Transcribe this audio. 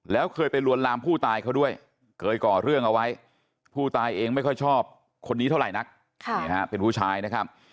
แล้วเคยไปลวนลามผู้ตายเขาด้วยเคยก่อเรื่องเอาไว้ผู้ตายเองไม่ค่อยชอบคนนี้เท่าไหร่นักเป็นผู้ชายนะครับ